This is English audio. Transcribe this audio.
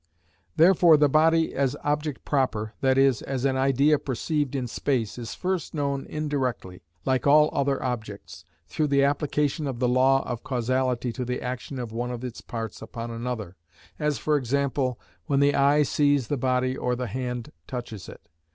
Therefore the body as object proper, that is, as an idea perceived in space, is first known indirectly, like all other objects, through the application of the law of causality to the action of one of its parts upon another, as, for example, when the eye sees the body or the hand touches it.